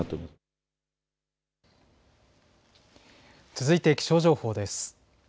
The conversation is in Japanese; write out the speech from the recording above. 続いて気象情報です。